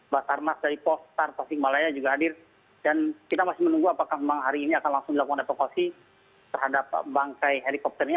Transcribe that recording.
basarnas dari postar tasikmalaya juga hadir dan kita masih menunggu apakah memang hari ini akan langsung dilakukan evakuasi terhadap bangkai helikopter ini